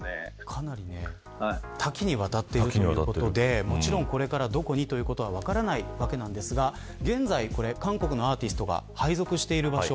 かなり多岐にわたっているということでもちろん、これからどこにということは分かりませんが現在、韓国のアーティストが配属している場所。